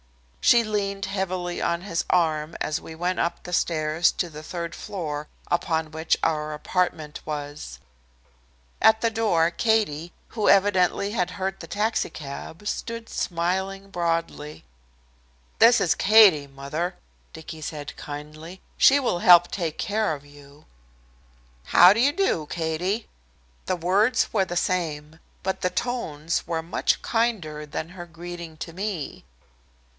She leaned heavily on his arm as we went up the stairs to the third floor upon which our apartment was. At the door, Katie, who evidently had heard the taxicab, stood smiling broadly. "This is Katie, mother," Dicky said kindly. "She will help take care of you." "How do you do, Katie?" The words were the same, but the tones were much kinder than her greeting to me.